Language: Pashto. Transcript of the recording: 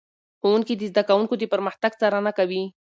ښوونکي د زده کوونکو د پرمختګ څارنه کوي.